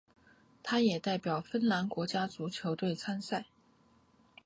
他也代表芬兰国家足球队参赛。